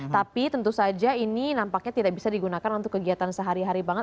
tapi tentu saja ini nampaknya tidak bisa digunakan untuk kegiatan sehari hari banget